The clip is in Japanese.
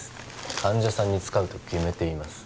患者さんに使うと決めています